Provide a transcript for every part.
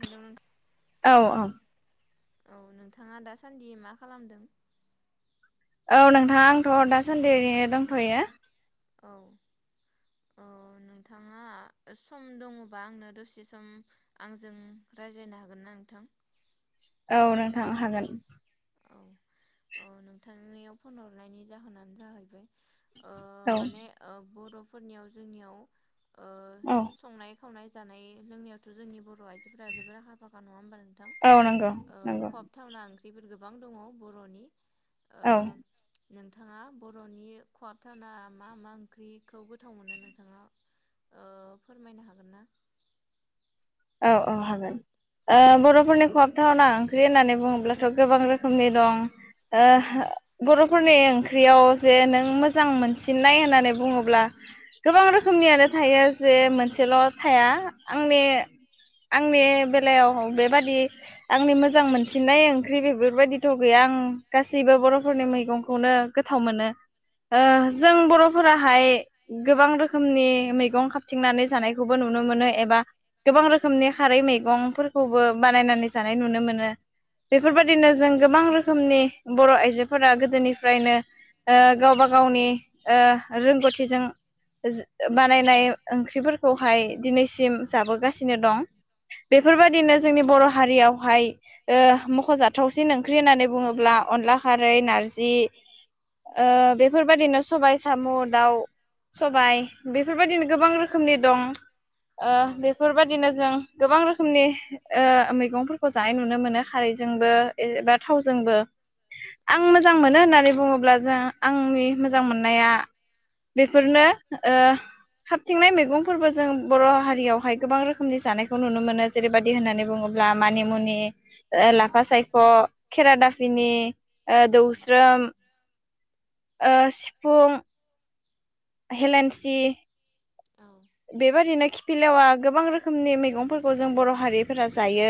Hello नों औ औ औ नोंथाङा दासान्दि मा खालामदों औ नोंथाङा आंथ' दासान्दि दंथ'यो। औ औ नोंथाङा सम दङबा आंनो दसे सम आंजों रायज्लायनो हागोन ना नोंथां [inaudible] औ नोंथांनो हागोन। याव फहरनायनि जाहोनानो जाहैबाय औ मान बर' फोरनियाव जोंनियाव औ संनाय खावनाय जानाय लोंनायावथ' जोंनि बर' आइ जबो आखा फाखा नङा नोंथां औ नंगौ नंगौ खहाबथावना गोबां दङ बर'नि ओ औ नोंथाङा बर'नि खवथाना मा मा ओंख्रिखौ गोथाव मोनो नोंथाङा फोरमायनो हागोन ना औ औ हागोन। ओ बर'फोरनि खहाबथावना ओंख्रि होननानै बुङोब्लाथ' गोबां रोखोमनि दं। औ ओ बर' फोरनि ओंख्रियाव जे नों मोजां मोनसिननाय होननानै बुङोब्ला गोबां रोखोमनियानो थायो जे औ मोनसेल' थाया आंनि आंनि बेलायाव बेबादि आंनि मोजां मोनसिननाय ओंख्रि बेफोरबायदिथ' गै या आं गासैबो औ बर'फोरनि मैगंखौनो गोथाव मोनो। ओ जों बर'फोराहाय गोबां रोखोमनि मैगं खाबथिंनानै जानायखौबो नु नुनो मोनो एबा गोबां रोखोमनि खारै मैगंफोरखौबो बानायनानै जानाय नुनो मोनो। औ बेफोरबायदिनो जों गोबां रोखोमनि बर' आइजो आइजोफोरा गोदोनिफ्रायनो ओ गावबा गावनि ओ रोंग'थिजों जो बानायनाय ओंख्रिफोरखौहाय दिनैसिम जाबोगासिनो दं। बेफोरबायदिनो जोंनि बर' हारियावहाय ओ मख'जाथावसिन ओंख्रि होननानै बुङोब्ला अनला खारै, नारजि ओ बेफोरबायदिनो सबाय साम', दाउ सबाय बेफोरबायदिनो गोबां रोखोम रोखोमनि दं ओ बे बेबायदिनो जों गोबां रोखोमनि ओ मैगंफोरखौ जानाय नुनो मोनो खारैजोंबो ओ थावजोंबो औ आं मोजां मोनो होननानै बुङोब्ला जो आंनि मोजां मोननाया बेफोरनो ओ हारथिंनाय मैगंफोरबो जों बर' हारियावहाय गोबां रोखोमनि जानायखौ नुनो मोनो जेरैबायदि होननानै बुङोब्ला मानि मुनि ओ लाफा सायख', खेरा दाफिनि, ओ दौस्रोम सिफुं हेलेन्सि औ बेबादिनो खिफिलेवा गोबां रोखोमनि मैगंफोरखौ जों बर' हारिफोरा जायो।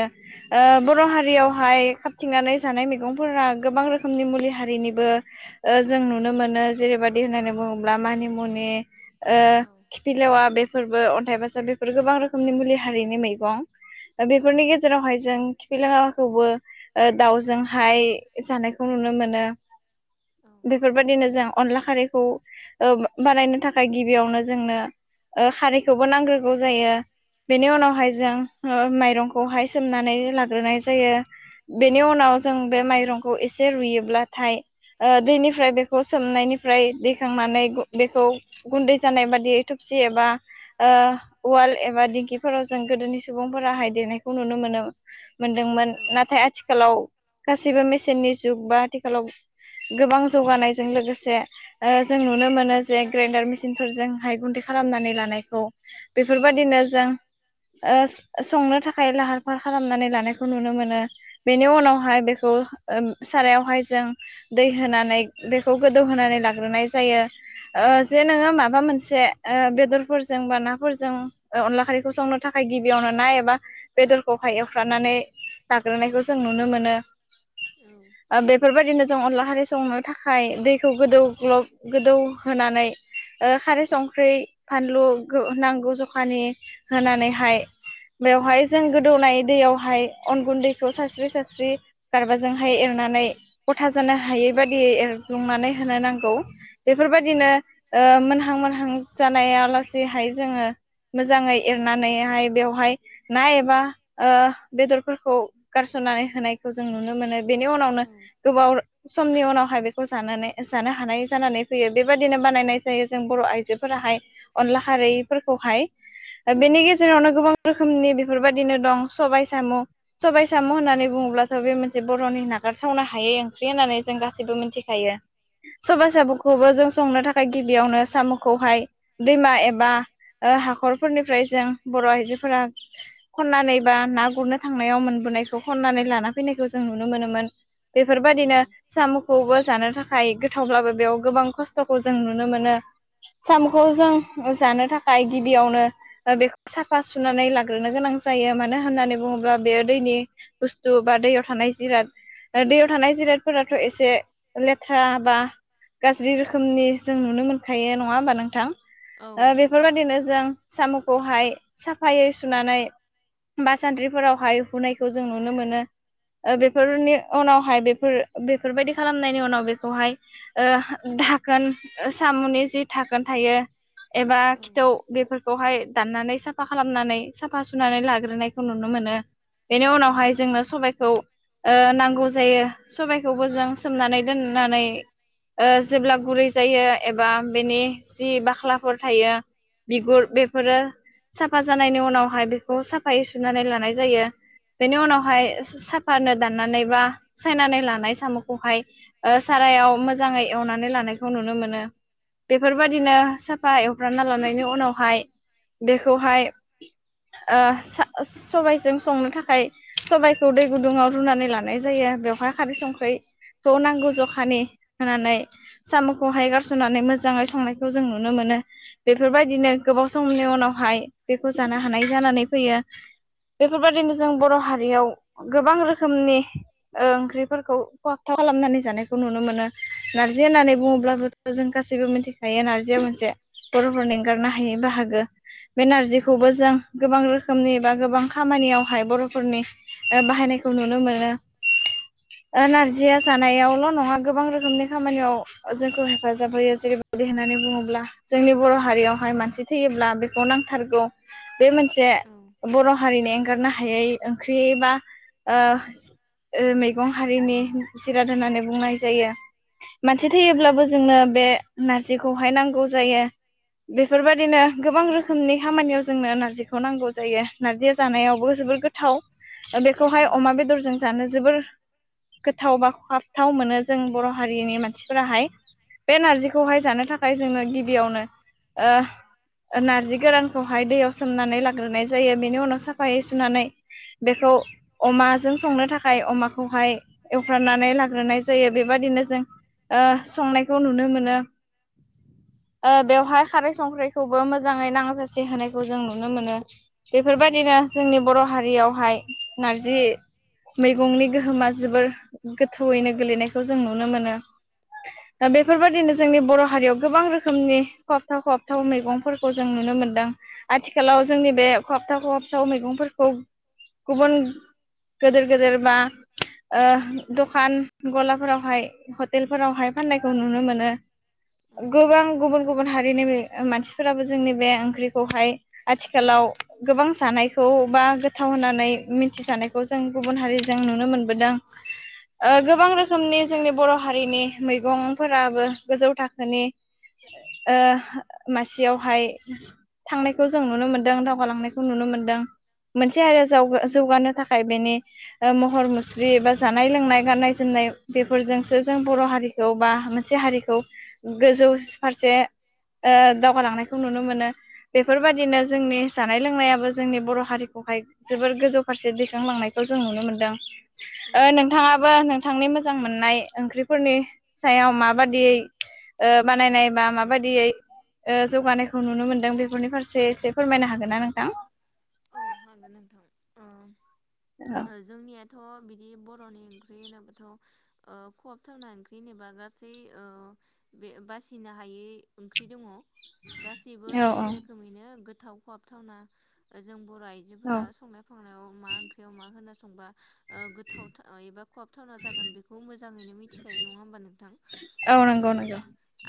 ओ औ बर' हारियावहाय हाबथिंनानै जानाय मैगंफोरा गोबां रोखोमनि मुलि हारिनिबो ओ जों नुनो मोनो जेरै बादि होननानै बुङोब्ला मानिमुनि ओ औ औ खिफिलेवा बेफ फोरबो अन्थाइ बाजाब बेफोर गोबां रोखोमनि मुलि हारिनि मैगं। औ बेफोरनि गेजेरावहाय जों खिफिलेंवाखौबो ओ दाउजों हाय जानायखौ नुनो मोनो। औ बेफोरबायदिनो जों अनला खारैखौ ओ बानायनो थाखाय गिबियावनो जोंनो ओ खारिखौबो नांग्रोगौ जायो बेनि औ उनावहाय जों ओ माइरं खौहाय सोमनानै लाग्रोनाय जायो औ बेनि उनाव जों बे माइरंखौ एसे एसे रुइयोब्लाथाय ओ दैनिफ्राय बेखौ सोमनायनिफ्राय दैखांनानै बेखौ गुन्दै जानाय बादियै थोबसे सि एबा ओ उवाल एबा दिंखिफोराव जों गोदोनि सुबुंफोराहाय देनायखौ नुनो मोनो मोनदोंमोन नाथाय आथिखालाव गासैबो मेसेननि जुग बा आथिखालाव गोबां जौगानायजों लोगोसे ओ जों नुनो मोनो जे ग्रेन्डार मेसिनफोरजों हाइ गुन्दै खालामनानै लानायखौ बेफोरबायदिनो जों ओ संनो थाखाय लाहार फाहार खालामनानै लानायखौ नुनो मोनो बेनि उनावहाय बेखौ ओ सारायावहाय जों दै होनानै दैखौ गोदौहोनानै लाग्रोनाय जायो। ओ जे नोङो माबा मोनसे ओ बेदरफोरजों बा नाफोरजों ओ अनला खारैखौ संनो थाखाय गिबियावनो ना एबा बेदरखौ एवफ्रानानै लाग्रोनायखौ जों नुनो मोनो। ओ बेफोरबायदिनो जों अनला खारै संनो थाखाय दैखौ गोदौ ग्लब गोदौ होनानै ओ खारै संख्रै फानलु गो नांगौ जखानि होनानैहाय बेवहाय जों गोदौनाय दैयावहाय अन गुन्दैखौ सारस्रि सारस्रि गारबाजोंहाय एर नानै गथा जानो हायै बादियै एरग्लुंनानै होनो नांगौ। औ बेफोरबायदिनो ओ मोनहां मोनहां जानाया लासेैहाय जोङो मोजाङै एरनानैहाय बेवहाय ना एबा ओ बेदरफोरखौ गारसन [unintelligible] होनायखौ जों नुनो मोनो बेनि उनावनो गोबाव समनि उनावहाय बेखौ जानानै जानो हानाय जानानै फैयो बेबायदिनो बानायनाय जायो जों बर आइजो फोराहाय अनला खारैफोरखौहाय औ बेनि गेजेरावनो गोबां रोखोमनि बेफोरबायदिनो दं सबाय साम सबाय साम होननानै बुङो अब्लाथ बे मोनसे बर'नि नागारथावनो हायै ओंख्रि होननानै जों गासैबो मिथिखायो सबाय सामखौबो जों संनो थाखाय गिबियावनो सामखौहाय दैमा एबा ओ हाखरफोरनिफ्राय जों बर आइजोफोरा खननानै बा ना गुरनो थांनायाव मोनब बोनायखौ खनानै लाना फैनायखौ जों नुनो मोनोमोन बेफोरबायदिनो साम खौबो जानो थाखाय गोथावब्लाबो बेयाव गोबां खस्थखौ जों नुनो मोनो सामखौ जों जानो थाखाय गिबियावनो बेखौ साफा सुनानै लाग्रोनो गोनां जायो मानो होननानै बुङोब्ला बेयो दैनि बुस्थु बा दैयाव थानाय जिराद दैयाव थानाय जिरादफोराथ एसे लेथ्रा बा गाज्रि रोखोमनि जों नुनो मोनखायो नङा होमबा नोंथां औ बेफोरबायदिनो जों सामखौहाय साफायै सुनानै बा सान्द्रिफोरावहाय हुनायखौ जों नुनो मोनो ओ बेफोरनि उनावहाय बेफोर बेफोरबायदि खालामनायनि उनाव बेखौहाय ओ धाखोन सामनि जि थाखोन थायो एबा औ खिथौ बेफोरखौहाय दाननानै साफा खालामनानै साफा सुनानै लाग्रोनायखौ नुनो मोनो बेनि उनावहाय जोंनो सबायखौ ओ नांगौ जायो सबायखौबो जों सोमनानै दोननानै ओ जेब्ला गुरै जायो एबा बेनि जि बाख्लाफोर थायो बिगुर बेफोरो साफा जानायनि उनावहाय बेखौ साफायै सुनानै लानाय जायो बेनि उनावहाय साफानो दाननानै बा सायनानै लानाय सामखौहाय ओ सार नायाव मोजाङै एवनानै लानायखौ नुनो मोनो। बेफोरबायदिनो साफा एवफ्रानना लानायनि उनावहाय बेखौहाय ओ सबायजों संनो थाखाय सबायखौ दै गुदुङाव रुनानै लानाय जायो बेवहाय खारै संख्रै ज नांगौ जखानि होनानै सामखौहाय गारसनानै मोज जाङै संनायखौ जों नुनो मोनो बेफोरबायदिनो गोबाव समनि उनावहाय बेखौ जानो हानाय जाना नानै फैयो बेफोरबायदिनो जों बर हारियाव गोबां रोखोमनि ओंख्रिफोरखौ खहाबथाब खालामनानै जानायखौ नुनो मोनो नारजि होननानै बुङोब्लाबोथ जों गास सिबो मिथिखायो नारजिया मोनसे बरफोरनि एंगारनो हायै बाहागो बे नारजिखौबो जों गोबां रोखोमनि बा गोबां खामानियावहाय बरफोरनि ओ बाहायनाय खौ नुनो मोनो लांदां ओ नारजिया जानायावल‌ नङा गोबां रोखोमनि खामानियाव जोंखौ हेफाजाब होयो जेरैबायदि होननानै बुङोब्ला जोंनि बर हारियावहाय मानसि थैयोब्ला बेखौ नांथारगौ बे मोनसे औ बर हारिनि एंगारनो हायै ओंख्रि बा ओ ओ मैगं हारिनि जिराद होननानै बुंनाय जायो मानसि थैयोब्लाबो जोंनो बे नारजिखौहाय नांगौ जायो बेफोरबायदिनो गोबां रोखोमनि खामानियाव जोंनो नारजिखौ नांगौ जायो नारजिया जानायावबो जोबोर गोथाव औ बेखौहाय अमा बेदरजों जानो जोबोर गोथाव बा खहाबथाव मोनो जों बर हारिनि मानसिफोराहाय बे नारजि खौ हाय जानो थाखाय जोङो गिबियावनो ओ ओ नार्जि गोरानखौहाय दैयाव सोमनानै लाग्रोनाय जायो बेनि उनाव साफायै सुनानै बेखौ अमाजों संनो थाखाय अमाखौहाय एवफ्रानानै लाग्रोनाय जायो बेबा दिनो जों ओ संनायखौ नुनो मोनो। [inaudible] ओ बेवहाय खारै संख्रैखौबो मोजाङै नांजासे होनायखौ जों नुनो मोनो। बेफोर औ बायदिनो जोंनि बर' हारियावहाय नारजि मैगंनि गोहोमा जोबोर गोथौयैनो गोलैनायखौ जों नुनो मोनो। दा औ बेफोर बायदिनो जोंनि बर' हारियाव गोबां रोखोमनि खहाबथाव खहाबथाव मैगंफोरखौ जों नुनो मोनदों आथिखालाव जोंनि बे खहाबथाव खहाबथाव मैगंफोरखौ गुबुन गोदेर गोदेर बा ओ दखान गलाफोरावहाय हटेलफोरावहाय फाननायखौ नुनो मोनो। औ गोबां गुबुन गुबुन हारिनि मानसिफोराबो जोंनि बे ओंख्रिखौहाय आथिखालाव गोबां जानायखौ खौ बा गोथाव होननानै मिथिजानायखौ जों गुबुन हारिजों नुनो मोनबोदों। ओ गोबां रोखोमनि जोंनि बर' हारिनि मैगंफोराबो गोजौ थाखोनि ओ मासियावहाय थांनायखौ जों नुनो मोन्दों दावगालांनायखौ नुनो मोनदों। मोनसे औ हारिया जौग जौगानो थाखाय बेनि महर मुस्रि बा जानाय लोंनाय गाननाय जोमनाय नाय बेफोरजोंसो जों बर' हारिखौ बा मोनसे हारि खौ गोजौस फारसे ओ दावगालांनायखौ नुनो मोनो। बेफोरबायदिनो जोंनि जानाय लोंनायाबो जोंनि बर' हारिखौ बेहाय जोबोर गोजौ फारसे दैखांलांनायखौ जों नुनो मोनदों ओ नोंथाङाबो नोंथांनि मोजां मोननाय ओंख्रिफोरनि सायाव माबादियै ओ बानायनाय बा माबादियै ओ जौगानायखौ नुनो मोनदों बेफोरनि फारसे एसे फोरमायनो हागोन ना नोंथां? औ हागोन नोंथां ओ औ ओ जोंनिया थ' बिदि बरनि ओंख्रि होनोब्लाथ ओ खहाब थावना ओंख्रि होनोबा गासै ओ बे बासिनो हायै ओंख्रि दङ। गासैबो औ एखे रोखोमैनो गोथाव खहाबथावना जों बर' औ आइजोफोरा संनाय खावनायाव मा ओंख्रियाव मा होनो संबा ओ गोथाव था एबा खहाबथावना जागोन बेखौ मोजाङैनो मिथिखायो नङा होमबा नों थां औ नंगौ ओ नंगौ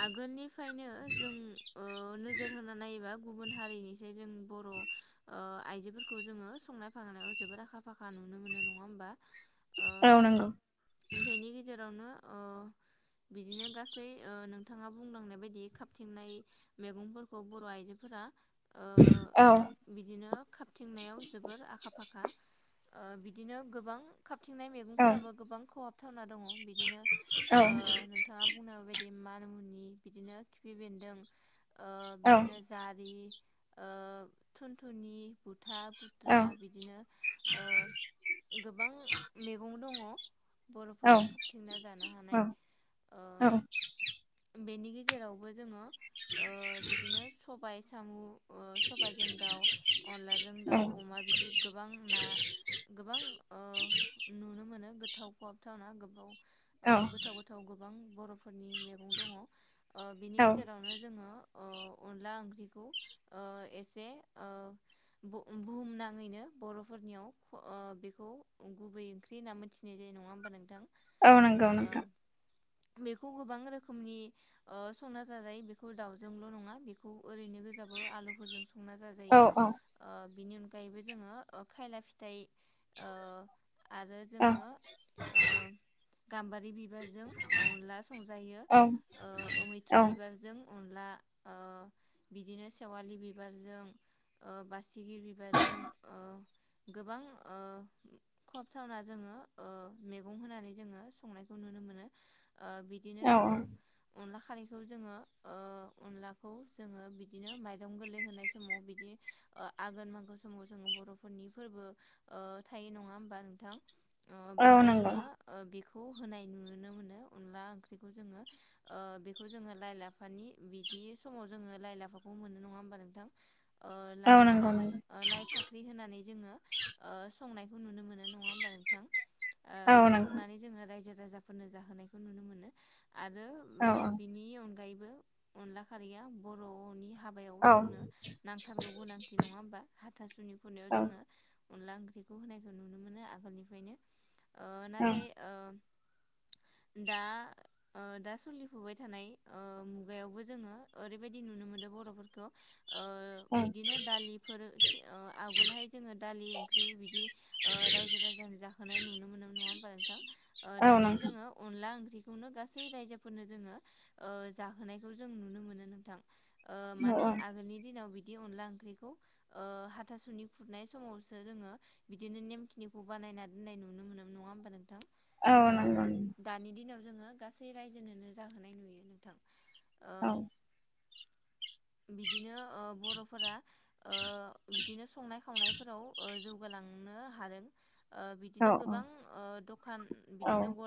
आगोलनि फ्रायनो जों ओ नोजोर होनानै नायोबा गुबुन हारिनिसै जों बर' ओ आइजोफोरखौ जोङो संनाय फांनायाव जोबोद आखा फाखा नुनो मोनो नङा होमबा? औ नंगौ ओ बेनि गेजेरावनो ओ बिदिनो गासै ओ नोंथाङा बुंलांनाय बायदि खाबथिंनाय मैगंफोरखौ बर' आइजो फोरा औ। बिदिनो खाबथिंनायाव जोबोर आखा फाखा ओ बिदिनो गोबां खाबथिंनाय औ मैगंफोराबो गोबां खहाबथावना दङ बिदिनो औ नोंथाङा बुंनाय बायदि मानमुनि बिदिनो खिफि बेन्दों ओ औ बिदिनो जारि ओ थुनथुनि बुथ था औ गुथ्रा बिदिनो ओ गोबां मैगं दङ। औ बर'फोरा खाबथिंना जानो हानाय ओ औ बेनि गेजेरावबो जोङो ओ बिदिनो सबाय सामु ओ सबायजों दाउ अनलाजों दाउ अमा बिदि गोबां ना गोबां ओ नुनो मोनो गोथाव खहाब थावना गोबाव औ गोथाव गोथाव गोबां बर'फोरनि मैगं दङ। ओ बिनि औ गेजेरावनो जोङो अन अनला ओंख्रिखौ ओ एसे ओ बु-बुहुम नाङैनो बर'फोरनि ओ बेखौ गुबै ओंख्रि होनना मोनथिनाय जायो नङा होमबा नोंथां? औ नंगौ औ नोंथां। बेखौ गोबां रोखोमनि संना जाजायो बेखौ दाउजोंल' नङा बेखौ ओरैनो गोजाबो आलुफोरजों संना औ जाजायो औ बिनि अन अनगायैबो जोङो खायला फिथाइ आरो औ जोङो गाम्बारि बिबारजों अनला संजायो औ औ अमैथ्रु बिबारजों अनला बिदिनो सेवालि बिबारजों बासिगिर बिबारजों गोबां खबथावना जोङो मैगं होनानै जोङो संनायखौ नु नुनो मोनो बिदिनो जोङो औ अनला खारैखौ जोङो अनलाखौ जोङो बिदिनो माइरं गोरलै होनाय समाव बिदि आघोन मागो समाव जोङो बर'फोरनि फोरबो थायो नङा होमबा नोंथां औ बेहाय नंगौ जोङो बेखौ होनाय नुनो मोनो अनला ओंख्रिखौ जोङो बेखौ जोङो लाइ लाफानि बिदि समाव जोङो लाइ लाफाखौ मोनो नङा होमबा नोंथां औ लाइ नंगौ होनानै नंगौ लाइ फाख्रि होनानै जोङो ओ संनायखौ नुनो मोनो नङा होमबा नोंथां आ औ नंगौ संनानै जोङो रायजो राजाफोरनो जाहोनायखौ नुनो मोनो आरो औ बिनि अनगायै अनला खारैया बर'नि हाबायाव औ जोंनो नांथारगौ गोनांथि नङा होमबा हाथासुनि खुनायाव औ जोङो अनला ओंख्रिखौ होनायखौ नुनो मोनो आगोलनिफ्रायनो नाथाय औ दा दा सोलिफुबाय थानाय मुगायावबो जोङो ओरैबायदि नुनो मोनो बर'फोरखौ ओ औ बिदिनो दालिफोर आगोलहाय जोङो दालि ओंख्रि बिदि रायजो राजा जाहोनाय नुनो मोनो नङा होमबा नोंथां औ दानिया नोंथां जोङो अनला ओंख्रिखौनो गासै गासै रायजोफोरनो जोङो जाहोनायखौ जों नुनो मोनो नोंथां औ माने आगोलनि दिनाव बिदि बिदि अनला ओंख्रिखौ हाथासुनि खुरनाय समावसो जोङो बिदिनो नेम खिनिखौ बानाय नायना दोननाय नुनो मोनो नङा होमबा नोंथां औ नंगौ दानि दिनाव जोङो गासै रायजोनोनो जाहोनाय नुयो नोंथां ओ औ बिदिनो बर'फोरा बिदिनो संनाय खावनाय फोराव जौगालांनो हादों औ बिदिनो गोबां दखान औ बिदिनो गला